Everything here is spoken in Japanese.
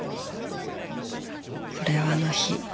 これをあの日。